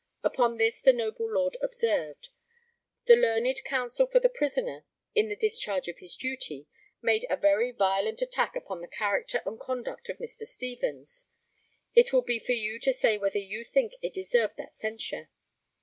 Upon this the noble Lord observed. ] The learned counsel for the prisoner, in the discharge of his duty, made a very violent attack upon the character and conduct of Mr. Stevens. It will be for you to say whether you think it deserved that censure.